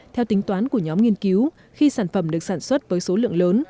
theo tính toán của nhóm nghiên cứu khi sản phẩm được sản xuất với số lượng lớn